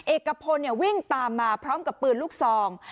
เอกพลวิ่งตามมาพร้อมกับปืนลูกซอง